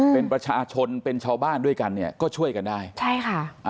เป็นประชาชนเป็นชาวบ้านด้วยกันเนี่ยก็ช่วยกันได้ใช่ค่ะ